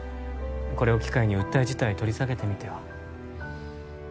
これを機会に訴え自体取り下げてみては？